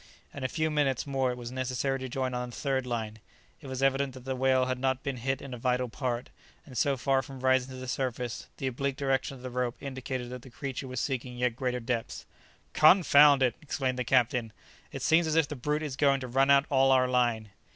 In a few minutes more it was necessary to join on the third line; it was evident that the whale had not been hit in a vital part, and so far from rising to the surface, the oblique direction of the rope indicated that the creature was seeking yet greater depths. "Confound it!" exclaimed the captain; "it seems as if the brute is going to run out all our line."